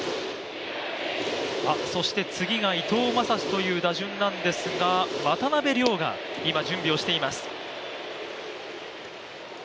そして次が伊藤将司という打順なんですが、渡邉諒が今、準備をしています。